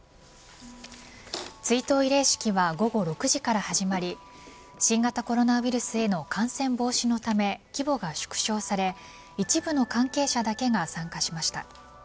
追悼慰霊式は午後６時から始まり新型コロナウイルスへの感染防止のため規模が縮小され一部の関係者だけが参加しました。